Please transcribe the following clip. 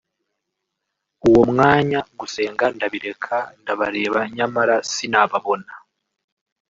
uwo mwanya gusenga ndabireka ndabareba nyamara sinababona